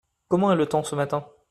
Comment est le temps ce matin ?